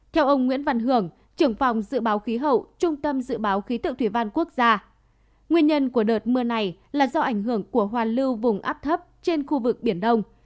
theo ông nguyễn văn hưởng trưởng phòng dự báo khí hậu trung tâm dự báo khí tượng thủy văn quốc gia nguyên nhân của đợt mưa này là do ảnh hưởng của hoàn lưu vùng áp thấp trên khu vực biển đông